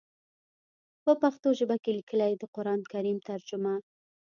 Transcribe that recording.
پۀ پښتو ژبه کښې ليکلی د قران کريم ترجمه